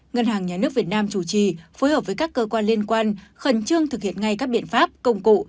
ngân hàng nhà nước việt nam chủ trì phối hợp với các cơ quan liên quan khẩn trương thực hiện ngay các biện pháp công cụ